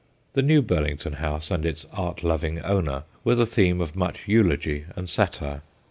The new Burlington House and its art loving owner were the theme of much eulogy and satire.